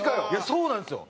そうなんですよ。